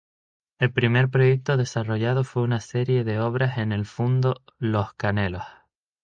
El primer proyecto desarrollado fue una serie de obras en el fundo Los Canelos.